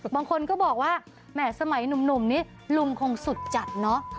บางคนก็บอกว่าแหม่สมัยหนุ่มนี้ลุงคงสุดจัดเนอะ